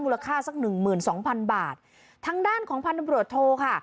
ค่าสักหนึ่งหมื่นสองพันบาททางด้านของพันธบรวจโทค่ะ